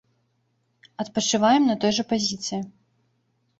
Адпачываем на той жа пазіцыі.